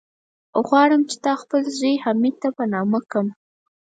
غواړم چې تا خپل زوی، حميد ته په نامه کم.